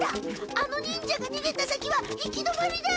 あの忍者がにげた先は行き止まりだ！